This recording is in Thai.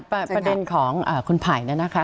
ประเด็นของคุณไผ่นะคะ